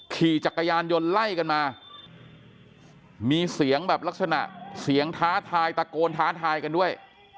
ขี่จักรยานยนต์ไล่กันมามีเสียงแบบลักษณะเสียงท้าทายตะโกนท้าทายกันด้วย